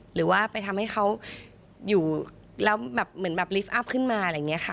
หรือว่าไปทำให้เขาอยู่แล้วแบบเหมือนแบบลิฟตอัพขึ้นมาอะไรอย่างนี้ค่ะ